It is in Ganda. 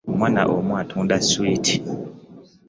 Omwana omu atunda sswiiti.